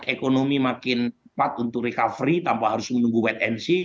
ekonomi makin cepat untuk recovery tanpa harus menunggu wait and see